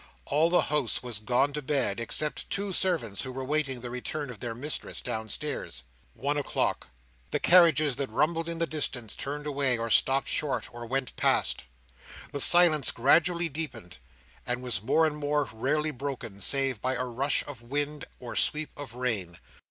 All the house was gone to bed, except two servants who were waiting the return of their mistress, downstairs. One o'clock. The carriages that rumbled in the distance, turned away, or stopped short, or went past; the silence gradually deepened, and was more and more rarely broken, save by a rush of wind or sweep of rain.